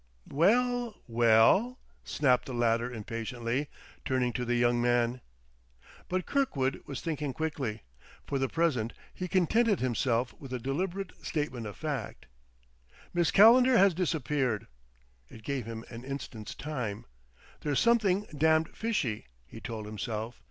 "Well, well?" snapped the latter impatiently, turning to the young man. But Kirkwood was thinking quickly. For the present he contented himself with a deliberate statement of fact: "Miss Calendar has disappeared." It gave him an instant's time ... "There's something damned fishy!" he told himself.